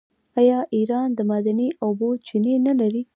آیا ایران د معدني اوبو چینې نلري؟